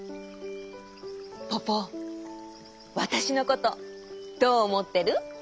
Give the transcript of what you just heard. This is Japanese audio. ポポわたしのことどうおもってる？